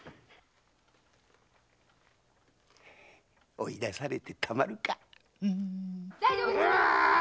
追い出されてたまるか。